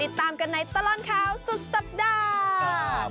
ติดตามกันในตลอดข่าวสุดสัปดาห์